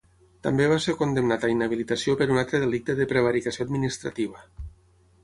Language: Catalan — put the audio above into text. També va ser condemnat a inhabilitació per un altre delicte de prevaricació administrativa.